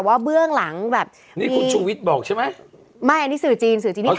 แต่ว่าเบื้องหลังแบบนี่คุณชุวิตบอกใช่ไหมไม่อันนี้สื่อจีน